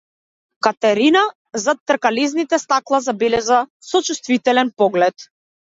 Катерина зад тркалезните стакла забележа сочувствителен поглед.